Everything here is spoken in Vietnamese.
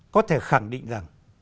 có thể khẳng định rằng